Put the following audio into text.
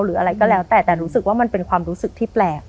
หรืออะไรก็แล้วแต่แต่รู้สึกว่ามันเป็นความรู้สึกที่แปลก